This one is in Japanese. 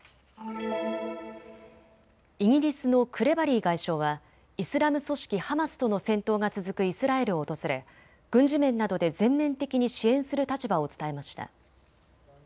イギリスのクレバリー外相はイスラム組織ハマスとの戦闘が続くイスラエルを訪れ軍事面などで全面的に支援する立場を伝えました。